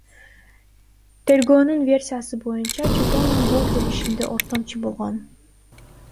Тергөөнүн версиясы боюнча, Чотонов бул келишимде ортомчу болгон.